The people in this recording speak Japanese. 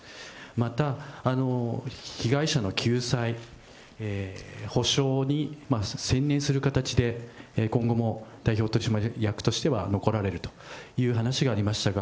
また、被害者の救済、補償に専念する形で、今後も代表取締役としては残られるという話がありましたが、